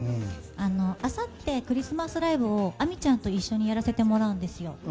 あさって、クリスマスライブを亜美ちゃんと一緒にやらせてもらうんですよ。